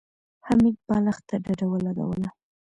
حميد بالښت ته ډډه ولګوله.